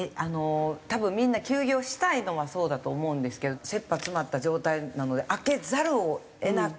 多分みんな休業したいのはそうだと思うんですけど切羽詰まった状態なので開けざるを得なく。